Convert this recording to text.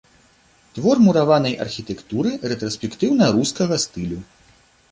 Твор мураванай архітэктуры рэтраспектыўна-рускага стылю.